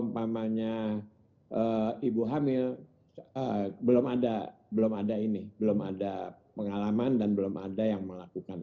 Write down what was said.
ibu hamil belum ada belum ada ini belum ada pengalaman dan belum ada yang melakukan